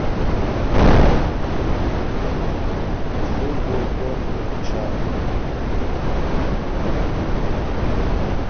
Pyə wə́ gɔ nwə̂p cá'.